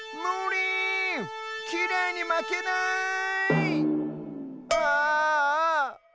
きれいにまけない！ああ。